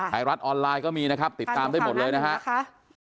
ไทยรัฐออนไลน์ก็มีนะครับติดตามได้หมดเลยนะครับ